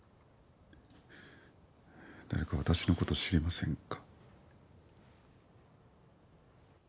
誰か私の事知りませんか？